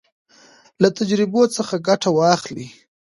له تجربو څخه ګټه واخلئ.